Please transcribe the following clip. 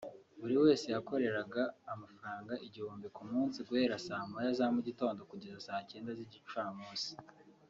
buri wese yakoreraga amafaranga igihumbi ku munsi guhera saa moya za mugitondo kugeza saa cyenda z’igicamunsi